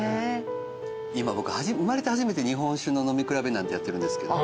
今僕生まれて初めて日本酒の飲み比べなんてやってるんですけど。